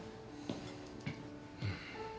うん。